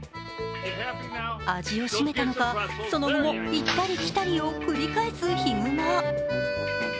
味を占めたのか、その後も行ったり来たりを繰り返すヒグマ。